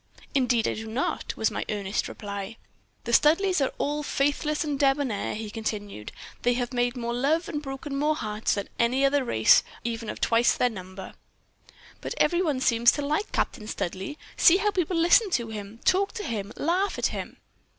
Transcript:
"'Indeed I do not,' was my earnest reply. "'The Studleighs are all faithless and debonair,' he continued: 'they have made more love and broken more hearts than any other race even of twice their number.' "'But every one seems to like Captain Studleigh. See how people listen to him, talk to him, laugh at him.'